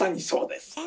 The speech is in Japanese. そうです。